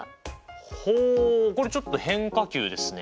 ほうこれちょっと変化球ですね。